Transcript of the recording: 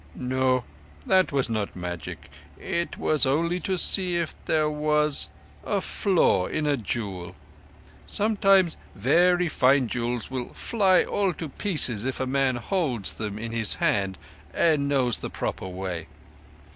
"No, that was not magic. It was only to see if there was—a flaw in a jewel. Sometimes very fine jewels will fly all to pieces if a man holds them in his hand, and knows the proper way.